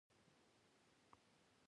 هماغومره معنویت کمزوری کېږي.